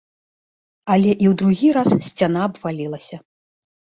Але і ў другі раз сцяна абвалілася.